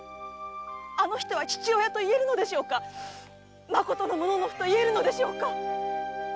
あの人は父親と言えるのでしょうかまことの武士と言えるのでしょうか